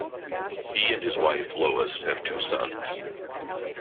He and his wife, Lois, have two sons.